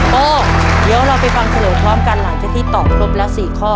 โปร์เดี๋ยวเราไปฟังทะเลท้อมกันหลังจากที่ตอบครบละสี่ข้อ